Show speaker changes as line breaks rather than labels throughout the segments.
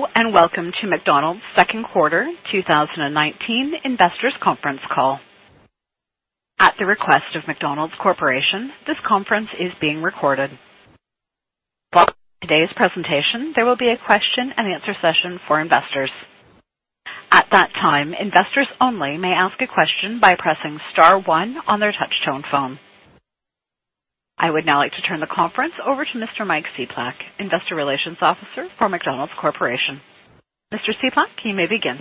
Hello, and welcome to McDonald's Q2 2019 investors' conference call. At the request of McDonald's Corporation, this conference is being recorded. Following today's presentation, there will be a question and answer session for investors. At that time, investors only may ask a question by pressing star one on their touch-tone phone. I would now like to turn the conference over to Mr. Mike Cieplak, Investor Relations Officer for McDonald's Corporation. Mr. Cieplak, you may begin.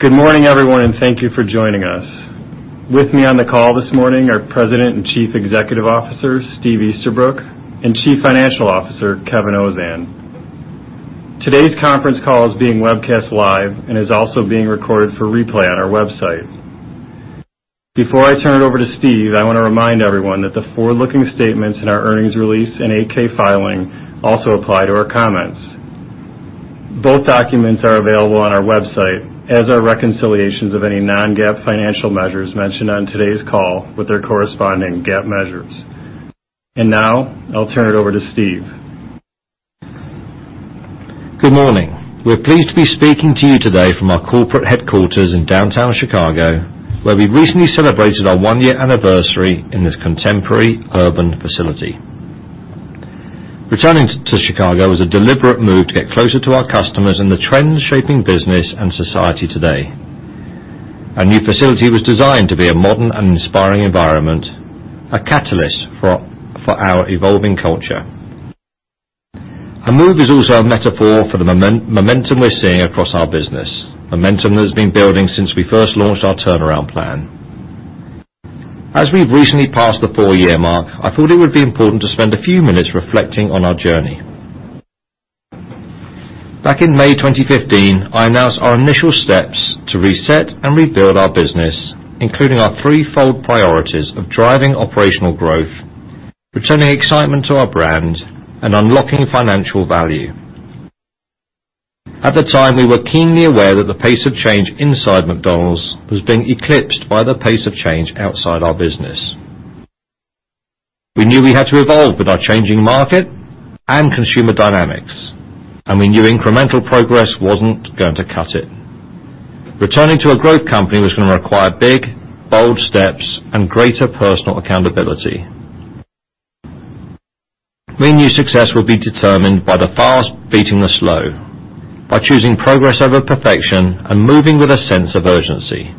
Good morning, everyone, and thank you for joining us. With me on the call this morning are President and Chief Executive Officer, Steve Easterbrook, and Chief Financial Officer, Kevin Ozan. Today's conference call is being webcast live and is also being recorded for replay on our website. Before I turn it over to Steve, I want to remind everyone that the forward-looking statements in our earnings release and 8-K filing also apply to our comments. Both documents are available on our website as are reconciliations of any non-GAAP financial measures mentioned on today's call with their corresponding GAAP measures. Now, I'll turn it over to Steve.
Good morning. We're pleased to be speaking to you today from our corporate headquarters in downtown Chicago, where we recently celebrated our one-year anniversary in this contemporary urban facility. Returning to Chicago was a deliberate move to get closer to our customers and the trends shaping business and society today. Our new facility was designed to be a modern and inspiring environment, a catalyst for our evolving culture. Our move is also a metaphor for the momentum we're seeing across our business, momentum that has been building since we first launched our turnaround plan. As we've recently passed the four-year mark, I thought it would be important to spend a few minutes reflecting on our journey. Back in May 2015, I announced our initial steps to reset and rebuild our business, including our threefold priorities of driving operational growth, returning excitement to our brand, and unlocking financial value. At the time, we were keenly aware that the pace of change inside McDonald's was being eclipsed by the pace of change outside our business. We knew we had to evolve with our changing market and consumer dynamics, and we knew incremental progress wasn't going to cut it. Returning to a growth company was going to require big, bold steps and greater personal accountability. We knew success would be determined by the fast beating the slow, by choosing progress over perfection, and moving with a sense of urgency.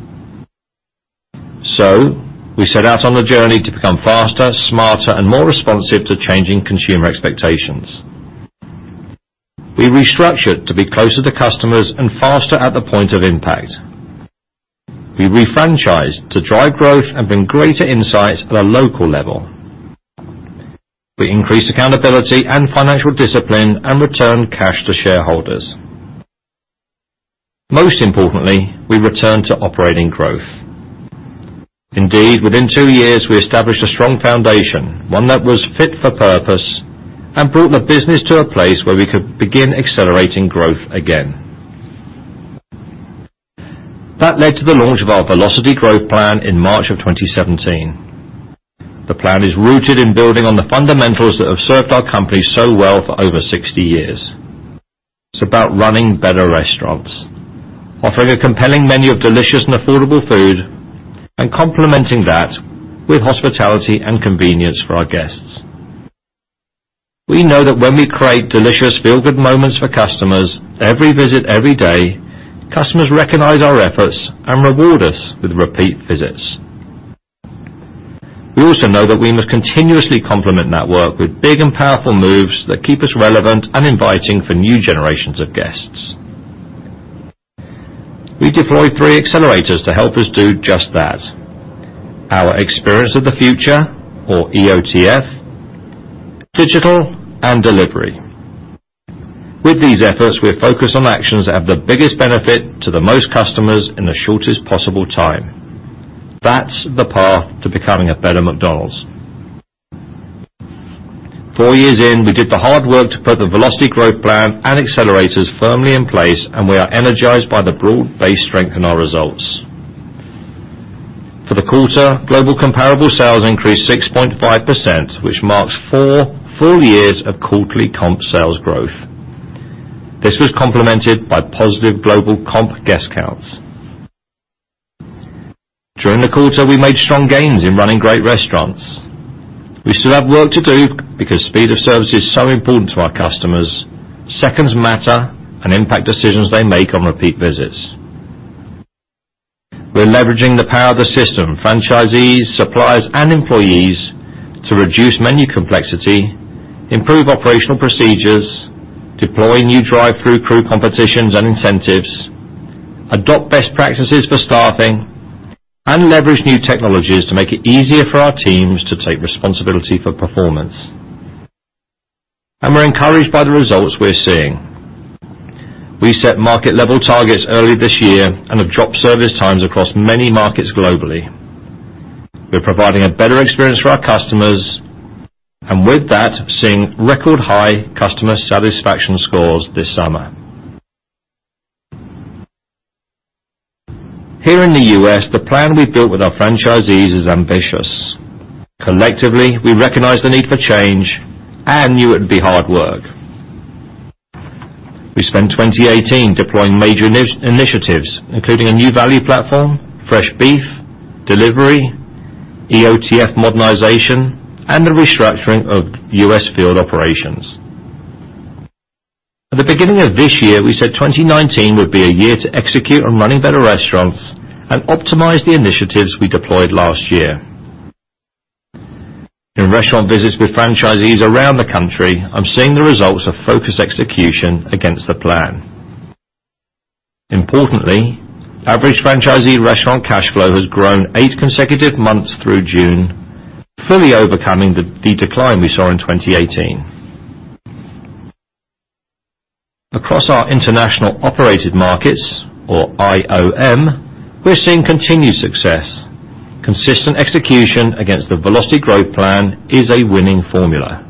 We set out on a journey to become faster, smarter, and more responsive to changing consumer expectations. We restructured to be closer to customers and faster at the point of impact. We refranchised to drive growth and bring greater insights at a local level. We increased accountability and financial discipline and returned cash to shareholders. Most importantly, we returned to operating growth. Indeed, within two years, we established a strong foundation, one that was fit for purpose and brought the business to a place where we could begin accelerating growth again. Led to the launch of our Velocity Growth Plan in March of 2017. The plan is rooted in building on the fundamentals that have served our company so well for over 60 years. It's about running better restaurants, offering a compelling menu of delicious and affordable food, and complementing that with hospitality and convenience for our guests. We know that when we create delicious feel-good moments for customers, every visit, every day, customers recognize our efforts and reward us with repeat visits. We also know that we must continuously complement that work with big and powerful moves that keep us relevant and inviting for new generations of guests. We deploy three accelerators to help us do just that. Our Experience of the Future, or EOTF, digital, and delivery. With these efforts, we are focused on actions that have the biggest benefit to the most customers in the shortest possible time. That's the path to becoming a better McDonald's. Four years in, we did the hard work to put the Velocity Growth Plan and accelerators firmly in place, and we are energized by the broad-based strength in our results. For the quarter, global comparable sales increased 6.5%, which marks four full years of quarterly comp sales growth. This was complemented by positive global comp guest counts. During the quarter, we made strong gains in running great restaurants. We still have work to do because speed of service is so important to our customers. Seconds matter and impact decisions they make on repeat visits. We're leveraging the power of the system, franchisees, suppliers, and employees to reduce menu complexity, improve operational procedures, deploy new drive-thru crew competitions and incentives, adopt best practices for staffing, and leverage new technologies to make it easier for our teams to take responsibility for performance. We're encouraged by the results we're seeing. We set market level targets early this year and have dropped service times across many markets globally. We're providing a better experience for our customers, and with that, seeing record high customer satisfaction scores this summer. Here in the U.S., the plan we've built with our franchisees is ambitious. Collectively, we recognize the need for change and knew it would be hard work. We spent 2018 deploying major initiatives, including a new value platform, fresh beef, delivery, EOTF modernization, and the restructuring of U.S. field operations. At the beginning of this year, we said 2019 would be a year to execute on running better restaurants and optimize the initiatives we deployed last year. In restaurant visits with franchisees around the country, I'm seeing the results of focused execution against the plan. Importantly, average franchisee restaurant cash flow has grown eight consecutive months through June, fully overcoming the decline we saw in 2018. Across our International Operated Markets, or IOM, we are seeing continued success. Consistent execution against the Velocity Growth Plan is a winning formula.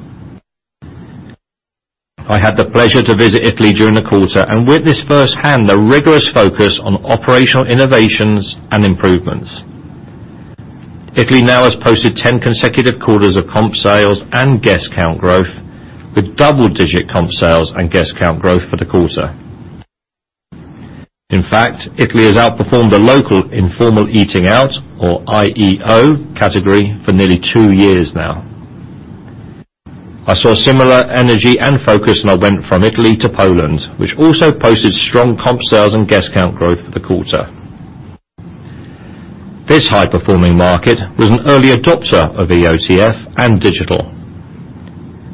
I had the pleasure to visit Italy during the quarter, and witness first hand, the rigorous focus on operational innovations and improvements. Italy now has posted 10 consecutive quarters of comp sales and guest count growth, with double-digit comp sales and guest count growth for the quarter. In fact, Italy has outperformed the local informal eating out, or IEO, category for nearly two years now. I saw similar energy and focus when I went from Italy to Poland, which also posted strong comp sales and guest count growth for the quarter. This high-performing market was an early adopter of EOTF and digital.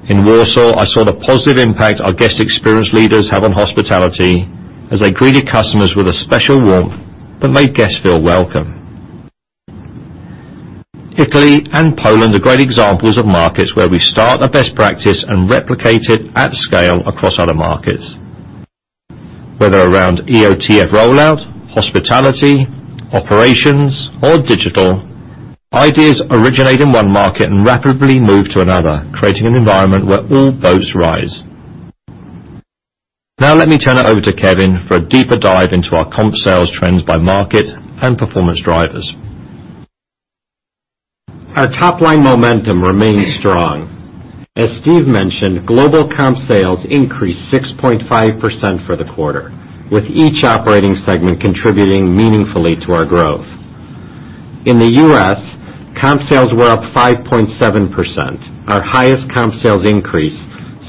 In Warsaw, I saw the positive impact our guest experience leaders have on hospitality, as they greeted customers with a special warmth that made guests feel welcome. Italy and Poland are great examples of markets where we start a best practice and replicate it at scale across other markets. Whether around EOTF rollout, hospitality, operations, or digital, ideas originate in one market and rapidly move to another, creating an environment where all boats rise. Now let me turn it over to Kevin for a deeper dive into our comp sales trends by market and performance drivers.
Our top-line momentum remains strong. As Steve mentioned, global comp sales increased 6.5% for the quarter, with each operating segment contributing meaningfully to our growth. In the U.S., comp sales were up 5.7%, our highest comp sales increase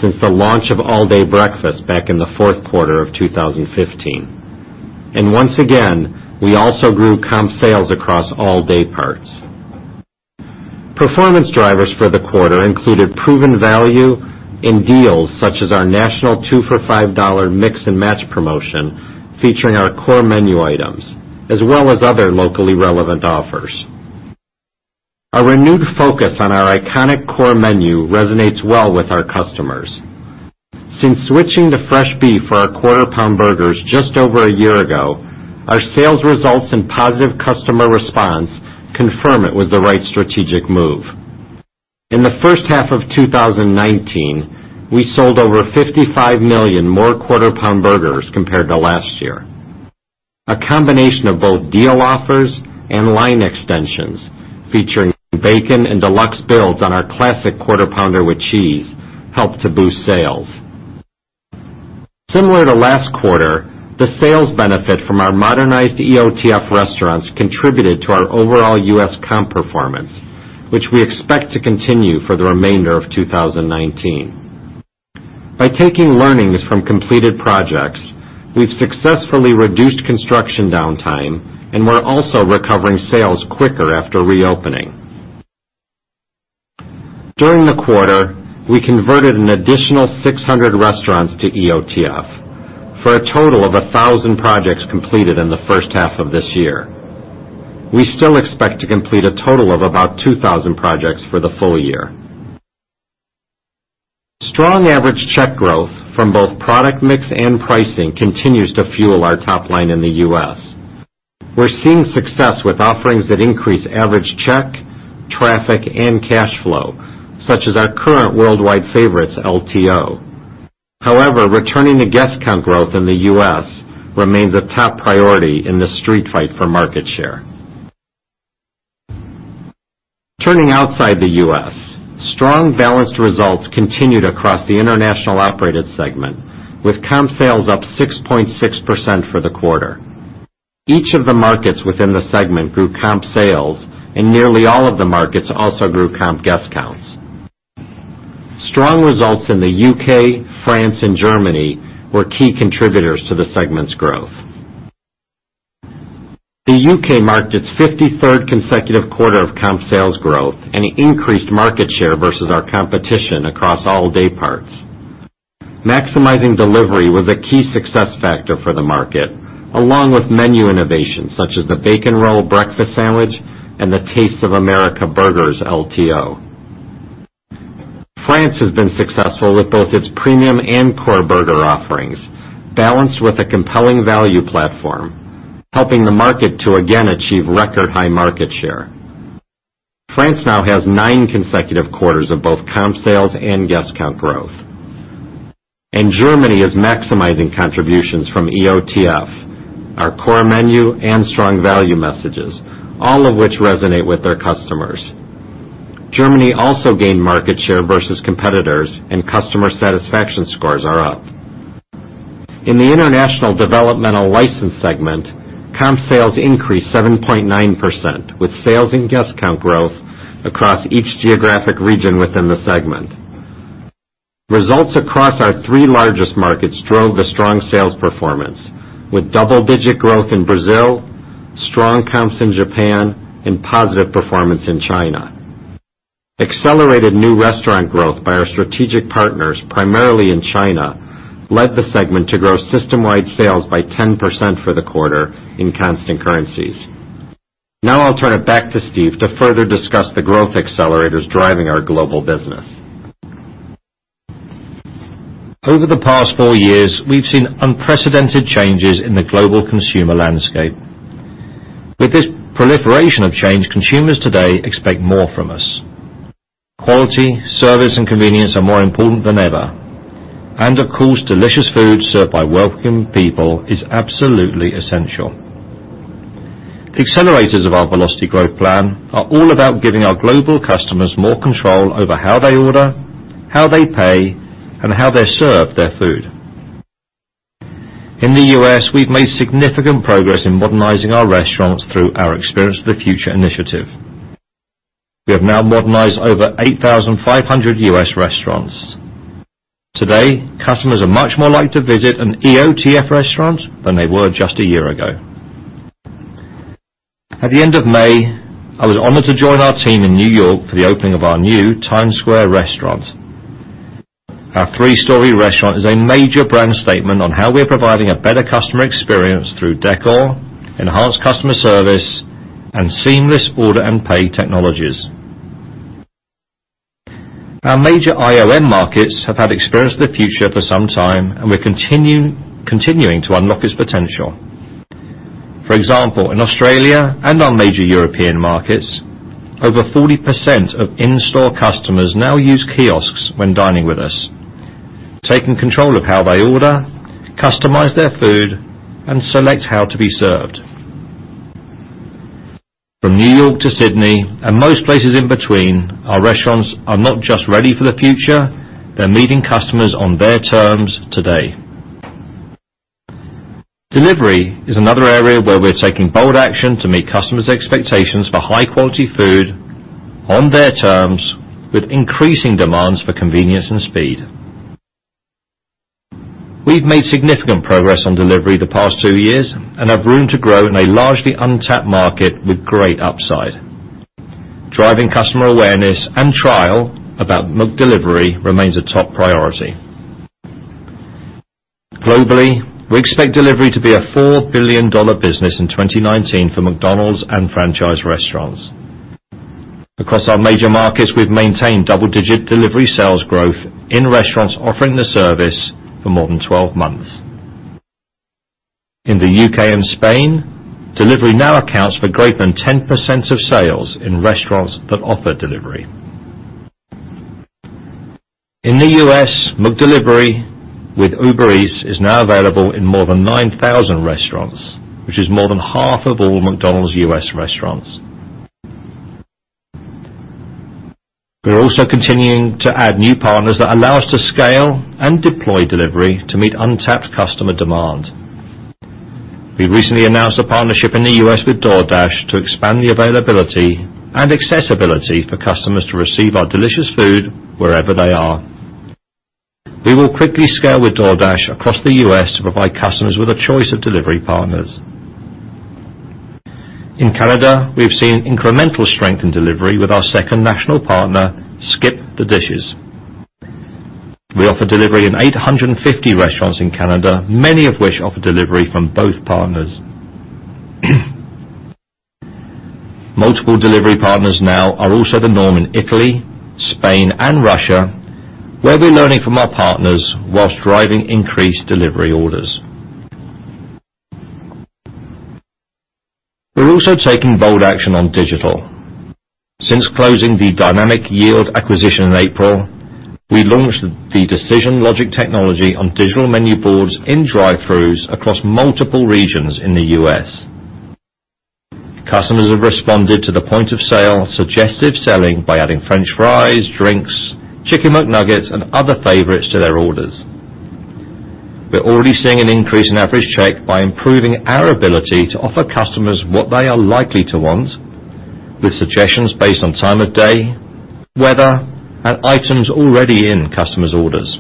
since the launch of All Day Breakfast back in the Q4 of 2015. Once again, we also grew comp sales across all dayparts. Performance drivers for the quarter included proven value in deals, such as our national two for $5 mix and match promotion, featuring our core menu items, as well as other locally relevant offers. Our renewed focus on our iconic core menu resonates well with our customers. Since switching to fresh beef for our quarter-pound burgers just over a year ago, our sales results and positive customer response confirm it was the right strategic move. In the H1 of 2019, we sold over 55 million more Quarter Pounder burgers compared to last year. A combination of both deal offers and line extensions featuring bacon and deluxe builds on our classic Quarter Pounder with cheese helped to boost sales. Similar to last quarter, the sales benefit from our modernized EOTF restaurants contributed to our overall U.S. comp performance, which we expect to continue for the remainder of 2019. By taking learnings from completed projects, we've successfully reduced construction downtime, and we're also recovering sales quicker after reopening. During the quarter, we converted an additional 600 restaurants to EOTF, for a total of 1,000 projects completed in the H1 of this year. We still expect to complete a total of about 2,000 projects for the full year. Strong average check growth from both product mix and pricing continues to fuel our top line in the U.S. We're seeing success with offerings that increase average check, traffic, and cash flow, such as our current Worldwide Favorites LTO. Returning to guest count growth in the U.S. remains a top priority in the street fight for market share. Turning outside the U.S., strong, balanced results continued across the International Operated Segment, with comp sales up 6.6% for the quarter. Each of the markets within the segment grew comp sales, and nearly all of the markets also grew comp guest counts. Strong results in the U.K., France, and Germany were key contributors to the segment's growth. The U.K. marked its 53rd consecutive quarter of comp sales growth and increased market share versus our competition across all day parts. Maximizing delivery was a key success factor for the market, along with menu innovations such as the bacon roll breakfast sandwich and the Great Taste of America LTO. France has been successful with both its premium and core burger offerings, balanced with a compelling value platform, helping the market to again achieve record high market share. France now has nine consecutive quarters of both comp sales and guest count growth. Germany is maximizing contributions from EOTF, our core menu, and strong value messages, all of which resonate with their customers. Germany also gained market share versus competitors, and customer satisfaction scores are up. In the International Developmental License Segment, comp sales increased 7.9%, with sales and guest count growth across each geographic region within the segment. Results across our three largest markets drove a strong sales performance, with double-digit growth in Brazil, strong comps in Japan, and positive performance in China. Accelerated new restaurant growth by our strategic partners, primarily in China, led the segment to grow system-wide sales by 10% for the quarter in constant currencies. I'll turn it back to Steve to further discuss the growth accelerators driving our global business.
Over the past four years, we've seen unprecedented changes in the global consumer landscape. With this proliferation of change, consumers today expect more from us. Quality, service, and convenience are more important than ever, and of course, delicious food served by welcoming people is absolutely essential. The accelerators of our Velocity Growth Plan are all about giving our global customers more control over how they order, how they pay, and how they're served their food. In the U.S., we've made significant progress in modernizing our restaurants through our Experience of the Future initiative. We have now modernized over 8,500 U.S. restaurants. Today, customers are much more likely to visit an EOTF restaurant than they were just a year ago. At the end of May, I was honored to join our team in New York for the opening of our new Times Square restaurant. Our three-story restaurant is a major brand statement on how we're providing a better customer experience through decor, enhanced customer service, and seamless order and pay technologies. Our major IOM markets have had Experience of the Future for some time, and we're continuing to unlock its potential. For example, in Australia and our major European markets, over 40% of in-store customers now use kiosks when dining with us, taking control of how they order, customize their food, and select how to be served. From New York to Sydney and most places in between, our restaurants are not just ready for the future, they're meeting customers on their terms today. Delivery is another area where we're taking bold action to meet customers' expectations for high-quality food on their terms with increasing demands for convenience and speed. We've made significant progress on delivery the past two years and have room to grow in a largely untapped market with great upside. Driving customer awareness and trial about McDelivery remains a top priority. Globally, we expect delivery to be a $4 billion business in 2019 for McDonald's and franchise restaurants. Across our major markets, we've maintained double-digit delivery sales growth in restaurants offering the service for more than 12 months. In the U.K. and Spain, delivery now accounts for greater than 10% of sales in restaurants that offer delivery. In the U.S., McDelivery with Uber Eats is now available in more than 9,000 restaurants, which is more than half of all McDonald's U.S. restaurants. We're also continuing to add new partners that allow us to scale and deploy delivery to meet untapped customer demand. We recently announced a partnership in the U.S. with DoorDash to expand the availability and accessibility for customers to receive our delicious food wherever they are. We will quickly scale with DoorDash across the U.S. to provide customers with a choice of delivery partners. In Canada, we've seen incremental strength in delivery with our second national partner, SkipTheDishes. We offer delivery in 850 restaurants in Canada, many of which offer delivery from both partners. Multiple delivery partners now are also the norm in Italy, Spain, and Russia, where we're learning from our partners whilst driving increased delivery orders. We're also taking bold action on digital. Since closing the Dynamic Yield acquisition in April, we launched the Decision Logic technology on digital menu boards in drive-throughs across multiple regions in the U.S. Customers have responded to the point-of-sale suggestive selling by adding french fries, drinks, Chicken McNuggets, and other favorites to their orders. We're already seeing an increase in average check by improving our ability to offer customers what they are likely to want, with suggestions based on time of day, weather, and items already in customers' orders.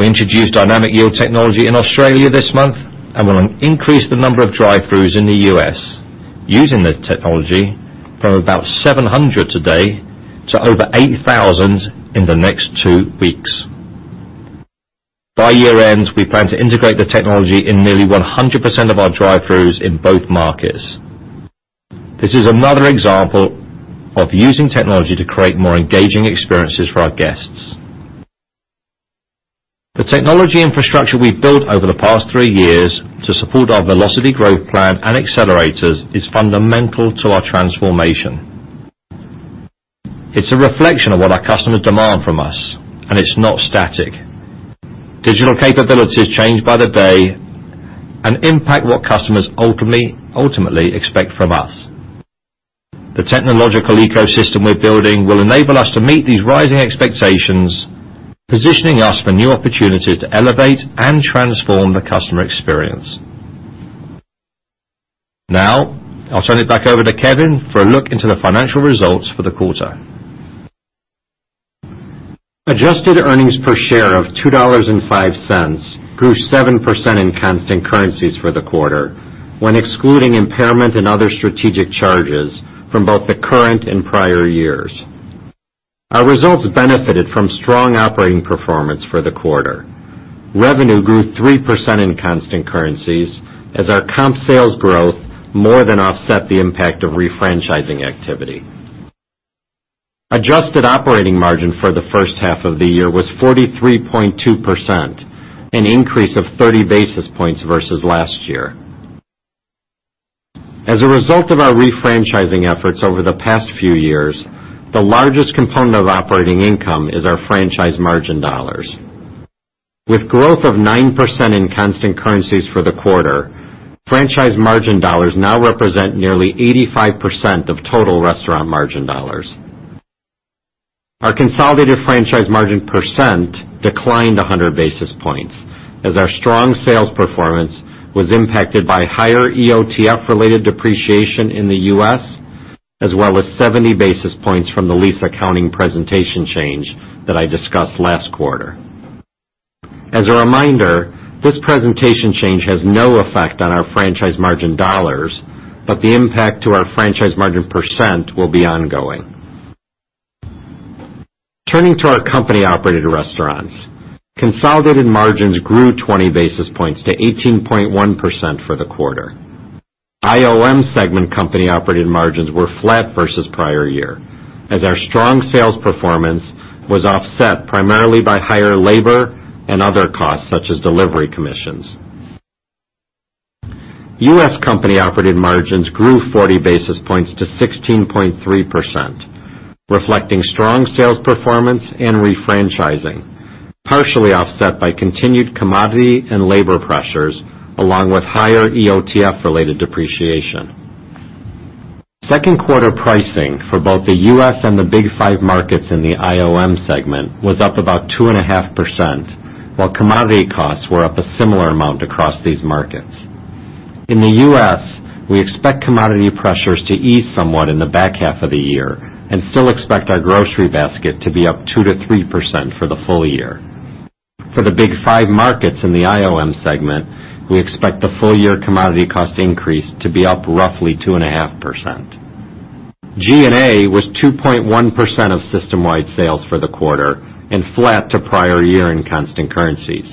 We introduced Dynamic Yield technology in Australia this month and will increase the number of drive-throughs in the U.S. using the technology from about 700 today to over 8,000 in the next two weeks. By year-end, we plan to integrate the technology in nearly 100% of our drive-throughs in both markets. This is another example of using technology to create more engaging experiences for our guests. The technology infrastructure we've built over the past three years to support our Velocity Growth Plan and accelerators is fundamental to our transformation. It's a reflection of what our customers demand from us, and it's not static. Digital capabilities change by the day and impact what customers ultimately expect from us. The technological ecosystem we're building will enable us to meet these rising expectations, positioning us for new opportunities to elevate and transform the customer experience. Now, I'll turn it back over to Kevin for a look into the financial results for the quarter.
Adjusted earnings per share of $2.05 grew 7% in constant currencies for the quarter when excluding impairment and other strategic charges from both the current and prior years. Our results benefited from strong operating performance for the quarter. Revenue grew 3% in constant currencies as our comp sales growth more than offset the impact of refranchising activity. Adjusted operating margin for the H1 of the year was 43.2%, an increase of 30 basis points versus last year. As a result of our refranchising efforts over the past few years, the largest component of operating income is our franchise margin dollars. With growth of 9% in constant currencies for the quarter, franchise margin dollars now represent nearly 85% of total restaurant margin dollars. Our consolidated franchise margin percent declined 100 basis points as our strong sales performance was impacted by higher EOTF-related depreciation in the U.S., as well as 70 basis points from the lease accounting presentation change that I discussed last quarter. As a reminder, this presentation change has no effect on our franchise margin dollars, but the impact to our franchise margin percent will be ongoing. Turning to our company-operated restaurants, consolidated margins grew 20 basis points to 18.1% for the quarter. IOM segment company-operated margins were flat versus prior year as our strong sales performance was offset primarily by higher labor and other costs such as delivery commissions. U.S. company-operated margins grew 40 basis points to 16.3%, reflecting strong sales performance and refranchising, partially offset by continued commodity and labor pressures, along with higher EOTF-related depreciation. Q2 pricing for both the U.S. and the Big Five markets in the IOM segment was up about 2.5%, while commodity costs were up a similar amount across these markets. In the U.S., we expect commodity pressures to ease somewhat in the back half of the year and still expect our grocery basket to be up 2%-3% for the full year. For the Big Five markets in the IOM segment, we expect the full-year commodity cost increase to be up roughly 2.5%. G&A was 2.1% of system-wide sales for the quarter and flat to prior year in constant currencies.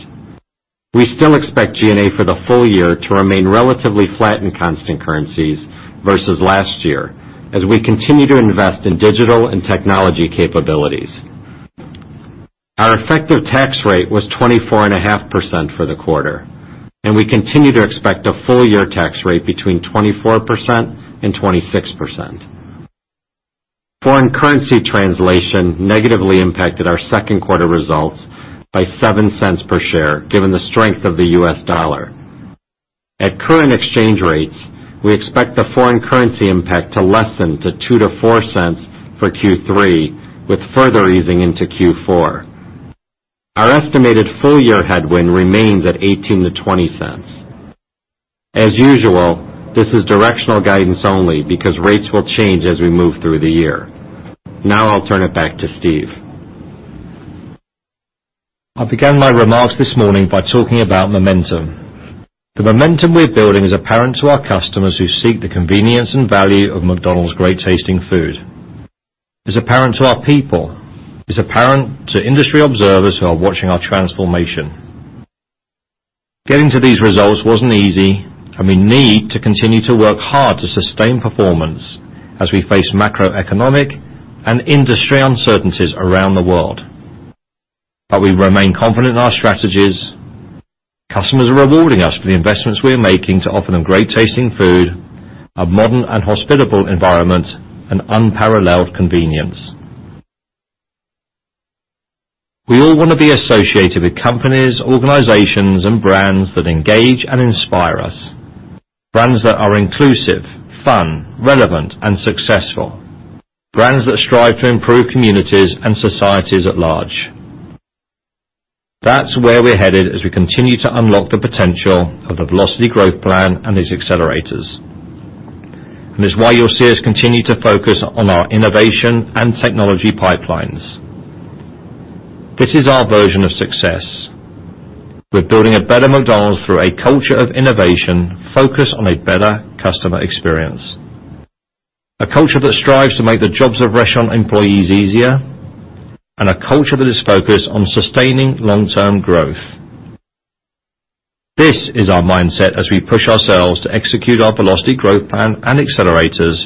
We still expect G&A for the full year to remain relatively flat in constant currencies versus last year as we continue to invest in digital and technology capabilities. Our effective tax rate was 24.5% for the quarter, and we continue to expect a full-year tax rate between 24% and 26%. Foreign currency translation negatively impacted our Q2 results by $0.07 per share, given the strength of the US dollar. At current exchange rates, we expect the foreign currency impact to lessen to $0.02-$0.04 for Q3, with further easing into Q4. Our estimated full-year headwind remains at $0.18-$0.20. As usual, this is directional guidance only because rates will change as we move through the year. Now I'll turn it back to Steve.
I began my remarks this morning by talking about momentum. The momentum we're building is apparent to our customers who seek the convenience and value of McDonald's great-tasting food. It's apparent to our people. It's apparent to industry observers who are watching our transformation. Getting to these results wasn't easy, and we need to continue to work hard to sustain performance as we face macroeconomic and industry uncertainties around the world. We remain confident in our strategies. Customers are rewarding us for the investments we are making to offer them great-tasting food, a modern and hospitable environment, and unparalleled convenience. We all want to be associated with companies, organizations, and brands that engage and inspire us. Brands that are inclusive, fun, relevant, and successful. Brands that strive to improve communities and societies at large. That's where we're headed as we continue to unlock the potential of the Velocity Growth Plan and its accelerators. It's why you'll see us continue to focus on our innovation and technology pipelines. This is our version of success. We're building a better McDonald's through a culture of innovation focused on a better customer experience, a culture that strives to make the jobs of restaurant employees easier, and a culture that is focused on sustaining long-term growth. This is our mindset as we push ourselves to execute our Velocity Growth Plan and accelerators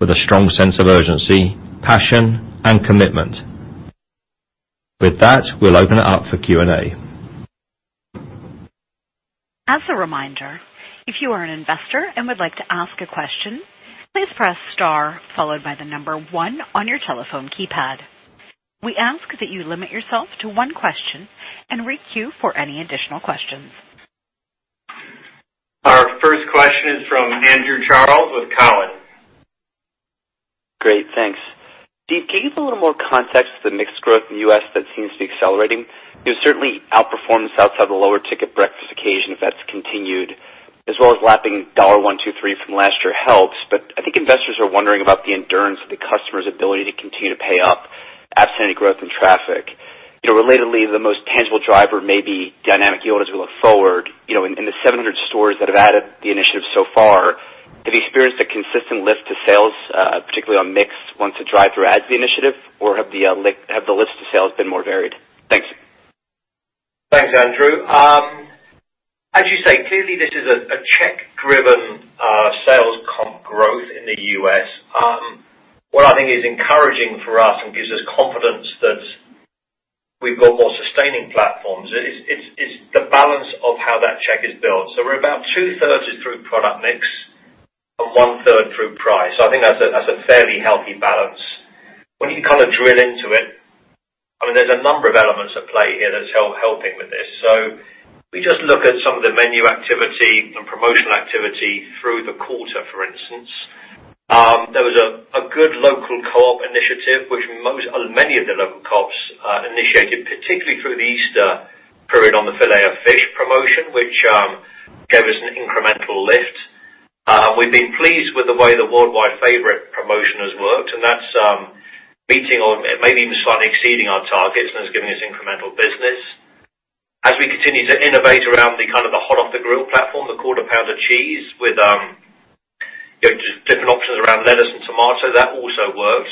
with a strong sense of urgency, passion, and commitment. With that, we'll open it up for Q&A.
As a reminder, if you are an investor and would like to ask a question, please press star followed by the number one on your telephone keypad. We ask that you limit yourself to one question and re-queue for any additional questions. Our first question is from Andrew Charles with Cowen.
Great. Thanks. Steve, can you give a little more context to the mixed growth in the U.S. that seems to be accelerating? You know, certainly outperformance outside the lower ticket breakfast occasion, if that's continued, as well as lapping $1 $2 $3 from last year helps, but I think investors are wondering about the endurance of the customer's ability to continue to pay up, absent any growth in traffic. Relatedly, the most tangible driver may be Dynamic Yield as we look forward. In the 700 stores that have added the initiative so far, have you experienced a consistent lift to sales, particularly on mix, once a drive-thru adds the initiative, or have the lift to sales been more varied? Thanks.
Thanks, Andrew. As you say, clearly, this is a check-driven sales comp growth in the U.S. What I think is encouraging for us and gives us confidence that we've got more sustaining platforms is the balance of how that check is built. We're about two-thirds through product mix and one-third through price. I think that's a fairly healthy balance. When you kind of drill into it, I mean, there's a number of elements at play here that's helping with this. If we just look at some of the menu activity and promotional activity through the quarter, for instance, there was a good local co-op initiative, which many of the local co-ops initiated, particularly through the Easter period on the Filet-O-Fish promotion, which gave us an incremental lift. We've been pleased with the way the Worldwide Favorites promotion has worked, that's meeting or maybe even slightly exceeding our targets, and it's giving us incremental business. As we continue to innovate around the kind of the hot-off-the grill platform, the Quarter Pounder cheese with different options around lettuce and tomato, that also worked.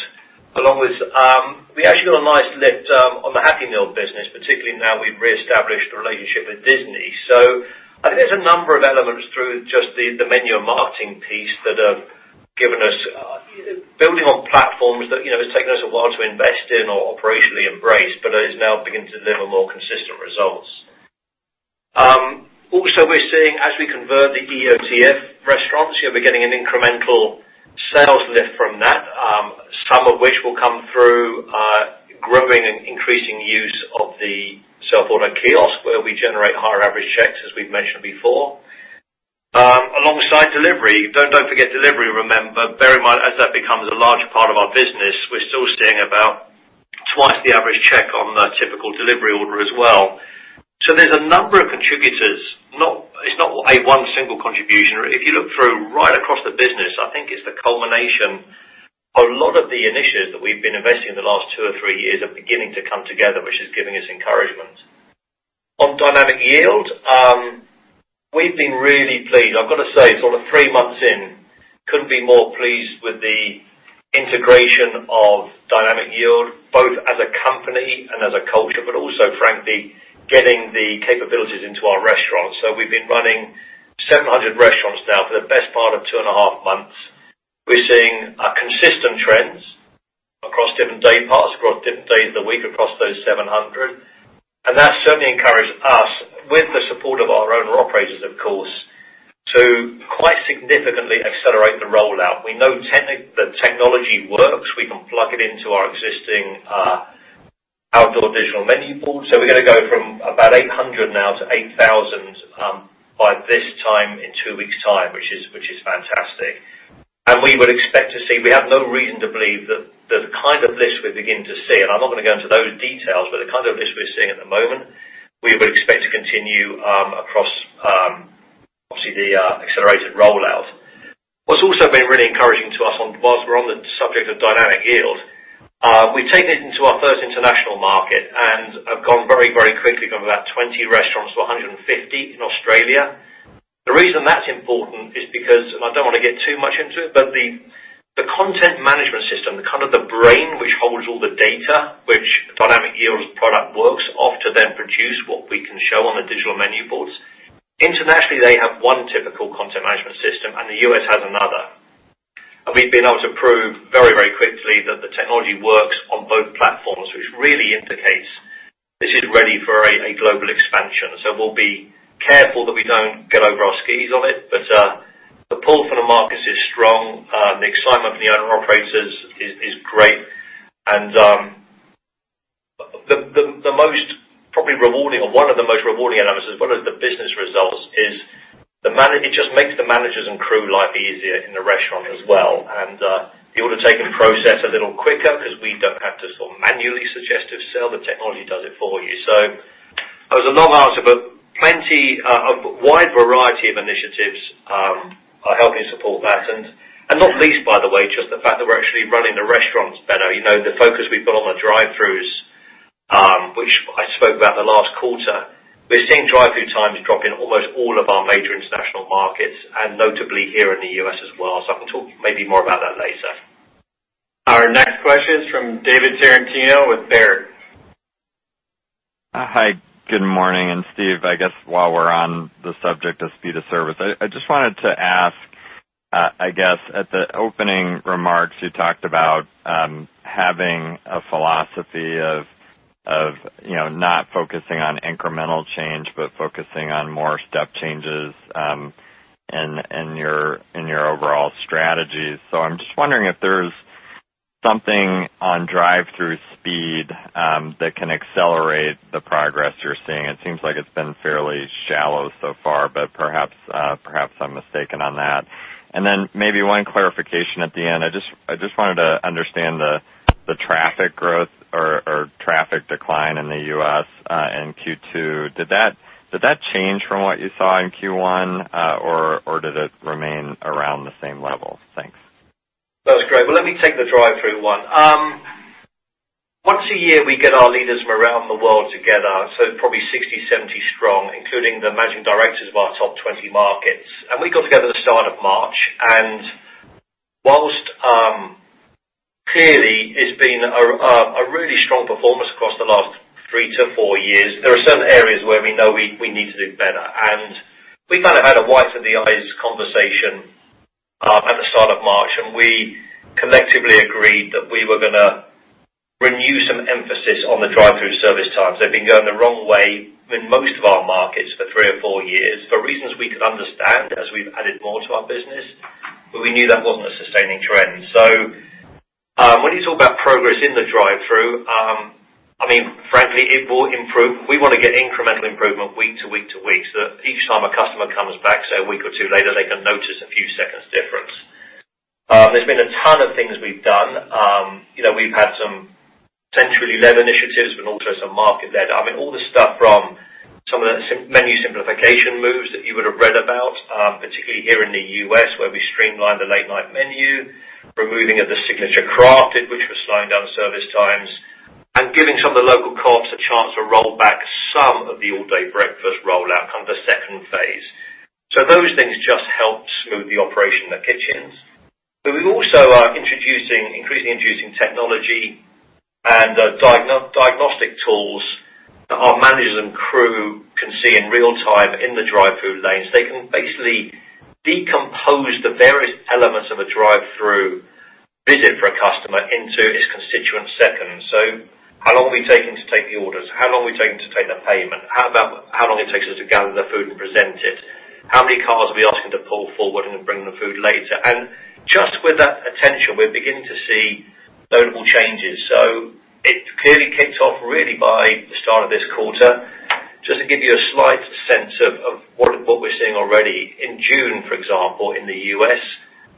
We actually got a nice lift on the Happy Meal business, particularly now we've reestablished a relationship with Disney. I think there's a number of elements through just the menu and marketing piece that have given us, building on platforms that it's taken us a while to invest in or operationally embrace, but it is now beginning to deliver more consistent results. Also, we're seeing as we convert the EOTF restaurants, we're getting an incremental sales lift from that, some of which will come through growing and increasing use of the self-order kiosk, where we generate higher average checks, as we've mentioned before. Alongside delivery, don't forget delivery, remember, bear in mind, as that becomes a larger part of our business, we're still seeing about twice the average check on the typical delivery order as well. There's a number of contributors. It's not a one single contribution. If you look through right across the business, I think it's the culmination of a lot of projects that we've been investing in the last two or three years are beginning to come together, which is giving us encouragement. On Dynamic Yield, we've been really pleased. I've got to say, sort of three months in, couldn't be more pleased with the integration of Dynamic Yield, both as a company and as a culture, but also frankly, getting the capabilities into our restaurants. We've been running 700 restaurants now for the best part of two and a half months. We're seeing consistent trends across different day parts, across different days of the week, across those 700. That certainly encouraged us with the support of our own operators, of course, to quite significantly accelerate the rollout. We know the technology works. We can plug it into our existing outdoor digital menu boards. We're going to go from about 800 now to 8,000 by this time in two weeks' time, which is fantastic. We would expect to see, we have no reason to believe that the kind of lifts we're beginning to see, and I'm not going to go into those details, but the kind of lifts we're seeing at the moment, we would expect to continue across obviously the accelerated rollout. What's also been really encouraging to us, whilst we're on the subject of Dynamic Yield, we've taken it into our first international market and have gone very, very quickly from about 20 restaurants to 150 in Australia. The reason that's important is because, and I don't want to get too much into it, but the content management system, the kind of the brain which holds all the data, which Dynamic Yield product works off to then produce what we can show on the digital menu boards. Internationally, they have one typical content management system, the U.S. has another. We've been able to prove very, very quickly that the technology works on both platforms, which really indicates this is ready for a global expansion. We'll be careful that we don't get over our skis on it, but the pull from the markets is strong. The excitement from the owner-operators is great. The most probably rewarding or one of the most rewarding announcements as well as the business results is it just makes the managers' and crew life easier in the restaurant as well. Be able to take the process a little quicker because we don't have to sort of manually suggest a sale. The technology does it for you. That was a long answer, but plenty of wide variety of initiatives are helping support that, and not least by the way, just the fact that we're actually running the restaurants better. The focus we've got on the drive-throughs, which I spoke about the last quarter. We're seeing drive-through times drop in almost all of our major international markets and notably here in the U.S. as well. I can talk maybe more about that later.
Our next question is from David Tarantino with Baird.
Hi, good morning. Steve, I guess while we're on the subject of speed of service, I just wanted to ask, I guess at the opening remarks, you talked about having a philosophy of not focusing on incremental change, but focusing on more step changes in your overall strategies. I'm just wondering if there's something on drive-thru speed that can accelerate the progress you're seeing. It seems like it's been fairly shallow so far, but perhaps I'm mistaken on that. Maybe one clarification at the end. I just wanted to understand the traffic growth or traffic decline in the U.S. in Q2. Did that change from what you saw in Q1 or did it remain around the same level? Thanks.
That's great. Well, let me take the drive-thru one. Once a year, we get our leaders from around the world together, so probably 60, 70 strong, including the managing directors of our top 20 markets. We got together the start of March, and whilst clearly it's been a really strong performance across the last three to four years, there are certain areas where we know we need to do better. We kind of had a white of the eyes conversation at the start of March, and we collectively agreed that we were going to renew some emphasis on the drive-thru service times. They've been going the wrong way in most of our markets for three or four years, for reasons we could understand as we've added more to our business. We knew that wasn't a sustaining trend. When you talk about progress in the drive-thru, frankly, it will improve. We want to get incremental improvement week to week to week, so that each time a customer comes back, say a week or two later, they can notice a few seconds difference. There's been a ton of things we've done. We've had some centrally led initiatives, but also some market led. All the stuff from some of the menu simplification moves that you would have read about, particularly here in the U.S., where we streamlined the late-night menu, removing of the Signature Crafted, which was slowing down service times, and giving some of the local co-ops a chance to roll back some of the All Day Breakfast rollout, kind of a second phase. Those things just helped smooth the operation in the kitchens. We also are increasingly introducing technology and diagnostic tools that our managers and crew can see in real-time in the drive-thru lanes. They can basically decompose the various elements of a drive-thru visit for a customer into its constituent seconds. How long are we taking to take the orders? How long are we taking to take the payment? How long it takes us to gather the food and present it? How many cars are we asking to pull forward and then bring the food later? Just with that attention, we're beginning to see notable changes. It clearly kicked off really by the start of this quarter. Just to give you a slight sense of what we're seeing already, in June, for example, in the U.S.,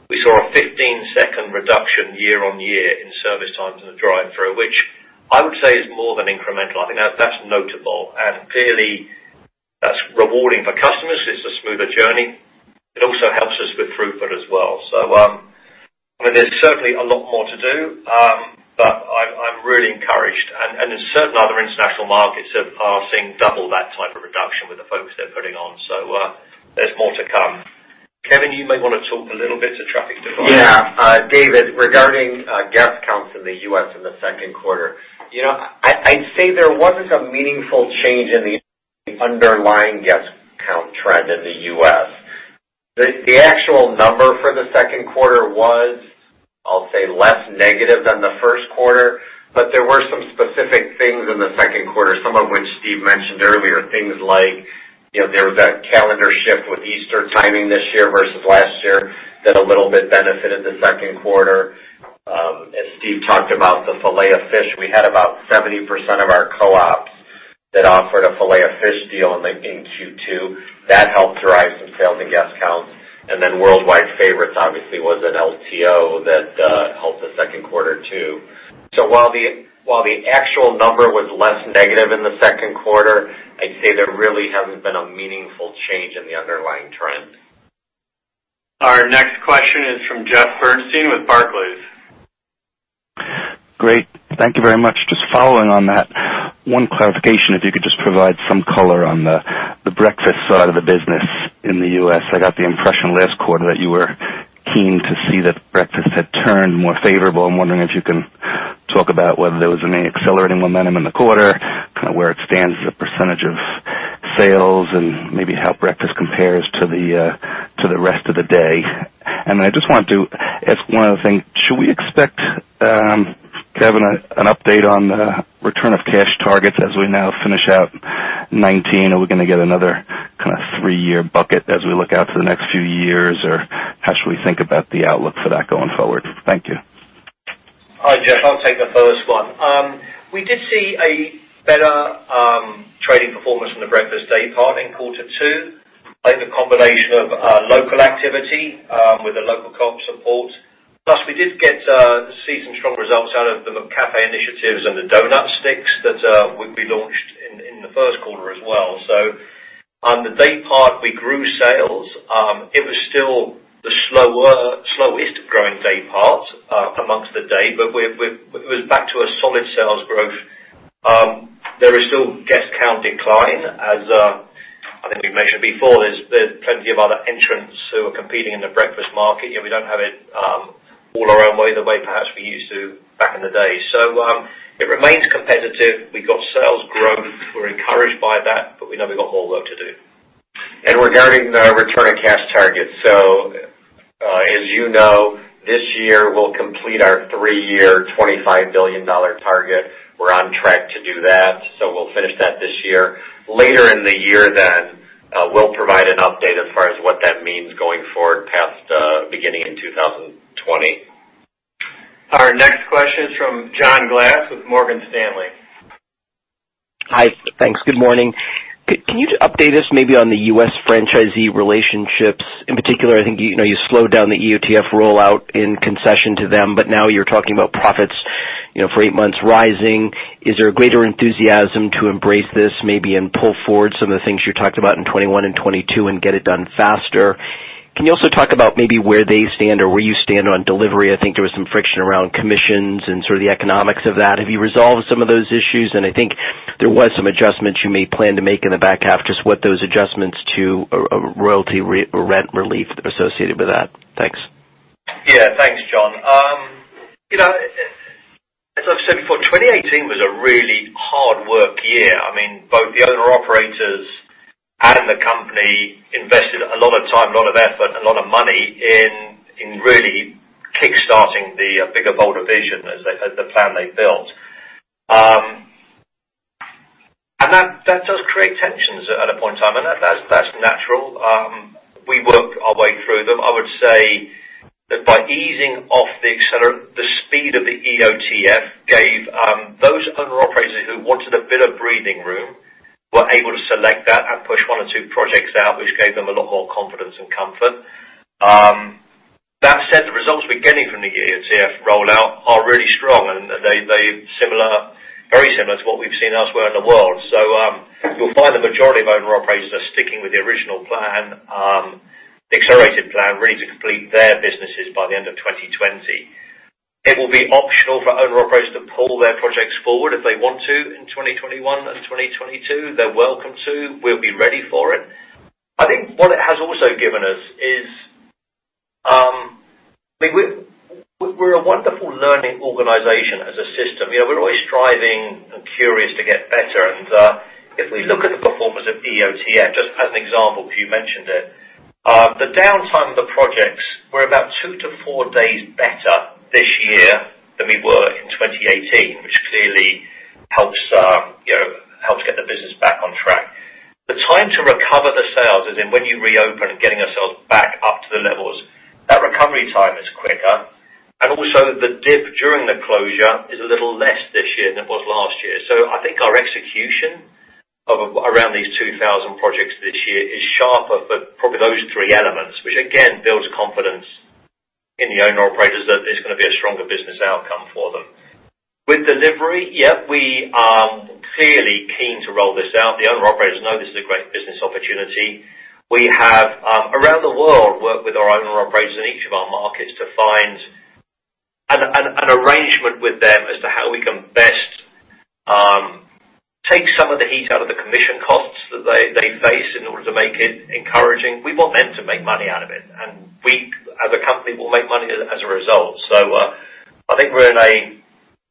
we saw a 15-second reduction year-over-year in service times in the drive-thru, which I would say is more than incremental. I think that's notable. Clearly that's rewarding for customers. It's a smoother journey. It also helps us with throughput as well. There's certainly a lot more to do. I'm really encouraged and there's certain other international markets that are seeing double that type of reduction with the focus they're putting on. There's more to come. Kevin, you may want to talk a little bit to traffic decline.
Yeah. David, regarding guest counts in the U.S. in the Q2. I'd say there wasn't a meaningful change in the underlying guest count trend in the U.S. The actual number for the Q2 was, I'll say, less negative than the Q1, but there were some specific things in the Q2, some of which Steve mentioned earlier. Things like, there was that calendar shift with Easter timing this year versus last year that a little bit benefited the Q2. As Steve talked about, the Filet-O-Fish, we had about 70% of our co-ops that offered a Filet-O-Fish deal in Q2. That helped drive some sales and guest counts. Worldwide Favorites obviously was an LTO that helped the Q2 too. While the actual number was less negative in the Q2, I'd say there really hasn't been a meaningful change in the underlying trend.
Our next question is from Jeff Bernstein with Barclays.
Great. Thank you very much. Just following on that, one clarification, if you could just provide some color on the breakfast side of the business in the U.S. I got the impression last quarter that you were keen to see that breakfast had turned more favorable. I'm wondering if you can talk about whether there was any accelerating momentum in the quarter, where it stands as a percentage of sales, and maybe how breakfast compares to the rest of the day. I just wanted to ask one other thing. Should we expect, Kevin, an update on the return of cash targets as we now finish out 2019? Are we going to get another kind of three-year bucket as we look out to the next few years? How should we think about the outlook for that going forward? Thank you.
Hi, Jeff. I'll take the first one. We did see a better trading performance from the breakfast day part in quarter two. I think the combination of local activity, with the local comp support. We did get to see some strong results out of the McCafé initiatives and the Donut Sticks that we launched in the Q1 as well. On the day part, we grew sales. It was still the slowest growing day part amongst the day, but it was back to a solid sales growth. There is still, as I think we mentioned before, there's plenty of other entrants who are competing in the breakfast market. We don't have it all our own way, the way perhaps we used to back in the day. It remains competitive. We've got sales growth. We're encouraged by that, but we know we've got more work to do.
Regarding our return on cash target, as you know, this year we'll complete our three-year, $25 billion target. We're on track to do that, we'll finish that this year. Later in the year, we'll provide an update as far as what that means going forward past beginning in 2020.
Our next question is from John Glass with Morgan Stanley.
Hi. Thanks. Good morning. Can you update us maybe on the U.S. franchisee relationships? In particular, I think, you slowed down the EOTF rollout in concession to them. Now you're talking about profits for eight months rising. Is there a greater enthusiasm to embrace this, maybe, and pull forward some of the things you talked about in 2021 and 2022 and get it done faster? Can you also talk about maybe where they stand or where you stand on delivery? I think there was some friction around commissions and sort of the economics of that. Have you resolved some of those issues? I think there was some adjustments you may plan to make in the back half. Just what those adjustments to a royalty rent relief associated with that? Thanks.
Yeah. Thanks, John. As I've said before, 2018 was a really hard work year. Both the owner-operators and the company invested a lot of time, a lot of effort, a lot of money in really kickstarting the Bigger Bolder Vision as the plan they built. That does create tensions at a point in time, and that's natural. We work our way through them. I would say that by easing off the accelerator, the speed of the EOTF gave those owner-operators who wanted a bit of breathing room, were able to select that and push one or two projects out, which gave them a lot more confidence and comfort. That said, the results we're getting from the EOTF rollout are really strong, and they're very similar to what we've seen elsewhere in the world. You'll find the majority of owner-operators are sticking with the original plan, the accelerated plan, really to complete their businesses by the end of 2020. It will be optional for owner-operators to pull their projects forward if they want to in 2021 and 2022. They're welcome to. We'll be ready for it. I think what it has also given us is, we're a wonderful learning organization as a system. We're always striving and curious to get better, and if we look at the performance of EOTF, just as an example, because you mentioned it, the downtime of the projects were about two to four days better this year than we were in 2018, which clearly helps get the business back on track. The time to recover the sales, as in when you reopen and getting ourselves back up to the levels, that recovery time is quicker. Also the dip during the closure is a little less this year than it was last year. I think our execution around these 2,000 projects this year is sharper for probably those three elements, which again, builds confidence in the owner-operators that it's going to be a stronger business outcome for them. With delivery, yeah, we are clearly keen to roll this out. The owner-operators know this is a great business opportunity. We have, around the world, worked with our owner-operators in each of our markets to find an arrangement with them as to how we can best take some of the heat out of the commission costs that they face in order to make it encouraging. We want them to make money out of it, and we, as a company, will make money as a result. I think we're in a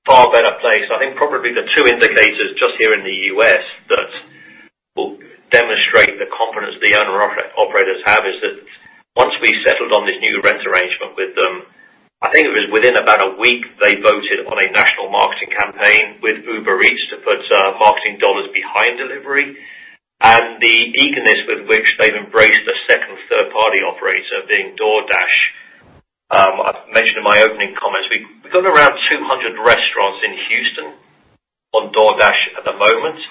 far better place. I think probably the two indicators just here in the U.S. that will demonstrate the confidence the owner-operators have is that once we settled on this new rent arrangement with them, I think it was within about a week, they voted on a national marketing campaign with Uber Eats to put marketing dollars behind delivery. The eagerness with which they've embraced a second and third-party operator, being DoorDash. I've mentioned in my opening comments, we've got around 200 restaurants in Houston on DoorDash at the moment.